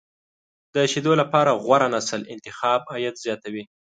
د شیدو لپاره غوره نسل انتخاب، عاید زیاتوي.